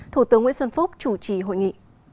thủ tướng nguyễn xuân phúc chủ trì hội nghị